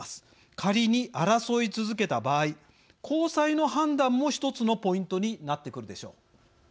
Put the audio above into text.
仮に争い続けた場合高裁の判断も１つのポイントになってくるでしょう。